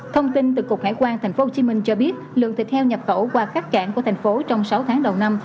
thông tin từ cục hải quan tp hcm cho biết lượng thịt heo nhập khẩu qua các cảng của thành phố trong sáu tháng đầu năm